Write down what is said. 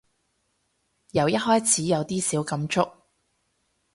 由一開始有啲小感觸